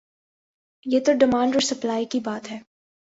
یہ تو ڈیمانڈ اور سپلائی کی بات ہے۔